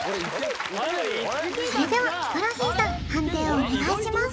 それではヒコロヒーさん判定をお願いします